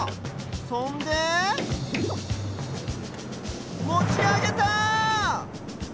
そんでもちあげた！